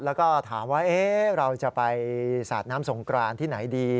แล้วก็ถามว่าเราจะไปสาดน้ำสงกรานที่ไหนดี